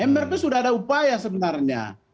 mrp sudah ada upaya sebenarnya